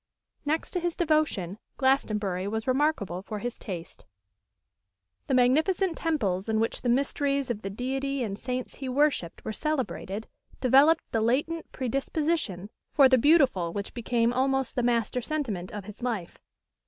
Next to his devotion, Glastonbury was remarkable for his taste. The magnificent temples in which the mysteries of the Deity and saints he worshipped were celebrated developed the latent predisposition for the beautiful which became almost the master sentiment of his life.